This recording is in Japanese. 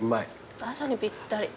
朝にぴったり。